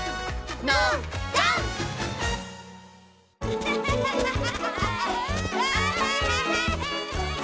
アハハハハハ！